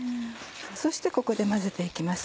そしてここで混ぜて行きます。